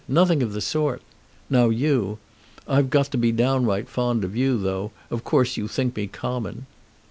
Nothing of the sort! Now you; I've got to be downright fond of you, though, of course, you think me common."